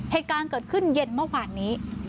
เหตุการณ์เกิดขึ้นเย็นเมื่อวานนี้